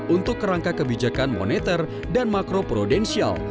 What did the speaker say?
untuk kerangka kebijakan moneter dan makroprudensial